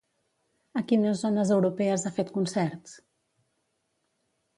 A quines zones europees ha fet concerts?